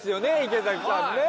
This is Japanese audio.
池崎さんね